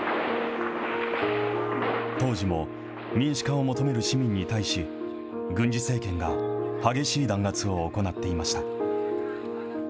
当時も民主化を求める市民に対し、軍事政権が激しい弾圧を行っていました。